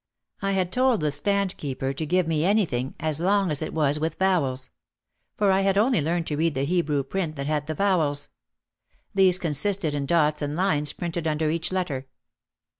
I had told the stand keeper to give me anything as long as it was with vowels. For I had only learned to read the Hebrew print that had the vowels. These consisted in dots and lines printed under each letter.